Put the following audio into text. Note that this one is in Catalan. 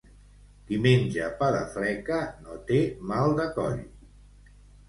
Qui menja pa de fleca no té mal de coll.